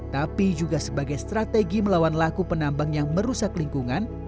tapi juga sebagai strategi melawan laku penambang yang merusak lingkungan